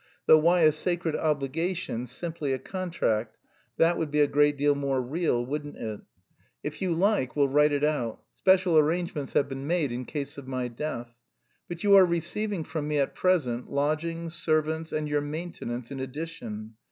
Though why a sacred obligation, simply a contract; that would be a great deal more real, wouldn't it? If you like, we'll write it out. Special arrangements have been made in case of my death. But you are receiving from me at present lodging, servants, and your maintenance in addition.